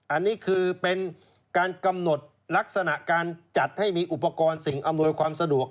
อันนี้คือเป็นการกำหนดลักษณะการจัดให้มีอุปกรณ์สิ่งอำนวยความสะดวก